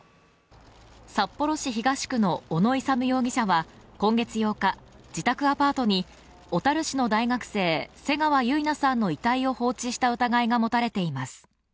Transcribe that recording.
札幌市東区の小野勇容疑者は今月８日、自宅アパートに小樽市の大学生、瀬川結菜さんの遺体を放置した疑いが持たれています。